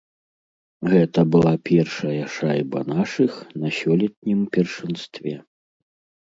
Гэта была першая шайба нашых на сёлетнім першынстве.